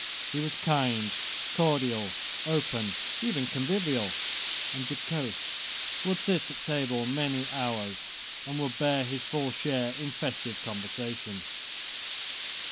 He was kind, cordial, open, even convivial and jocose, would sit at table many hours, and would bear his full share in festive conversation.